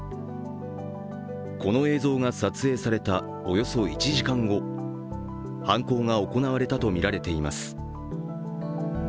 この映像が撮影されたおよそ１時間後、犯行が行われたとみられています。